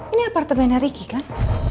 ini apartemennya rike kan